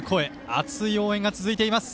熱い応援が続いています。